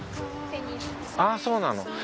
ああそうなの。